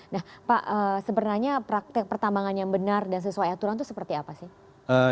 nah pak sebenarnya praktek pertambangan yang benar dan sesuai aturan itu seperti apa sih